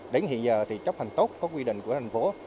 đến hiện giờ thì chấp hành tốt các quy định của thành phố